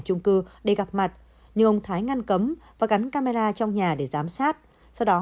trung cư để gặp mặt nhưng ông thái ngăn cấm và gắn camera trong nhà để giám sát sau đó